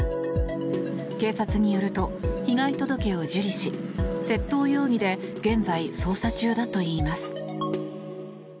警察によると、被害届を受理し窃盗容疑で現在、捜査中だといいます。